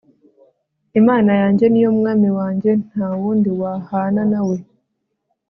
imana yanjye ni yo mwami wanjye ntawundi wahana nawe